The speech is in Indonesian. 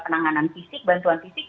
penanganan fisik bantuan fisik